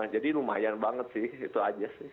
jadi lumayan banget sih itu aja sih